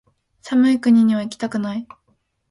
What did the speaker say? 寒い国にはいきたくない